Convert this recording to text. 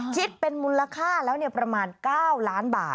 คิดเป็นมูลค่าแล้วประมาณ๙ล้านบาท